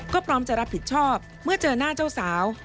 ก็พร้อมจะรับผิดชอบเมื่อเจอหน้าเจ้าสาว